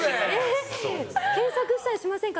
検索したりしませんか？